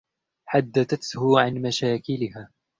حدثته عن مشاكلها.